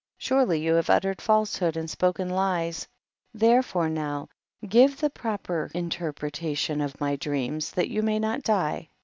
surely you have uttered falsehood and spoken lies ; therefore now give the proper inter pretation of my dreams, that you may not die.